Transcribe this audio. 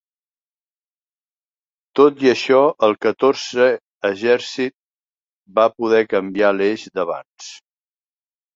Tot i això, el catorzè exèrcit va poder canviar l'eix d'avanç.